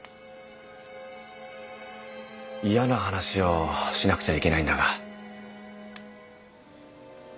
嫌な話をしなくちゃいけないんだが。